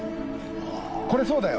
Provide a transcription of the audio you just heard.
これそうだよ！